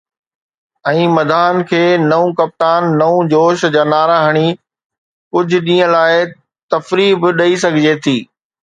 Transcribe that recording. ۽ مداحن کي ”نئون ڪپتان، نئون جوش“ جا نعرا هڻي ڪجهه ڏينهن لاءِ تفريح به ڏئي سگهجي ٿي.